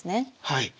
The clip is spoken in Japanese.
はい。